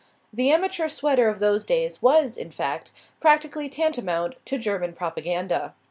The amateur sweater of those days was, in fact, practically tantamount to German propaganda.